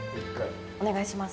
お願いします。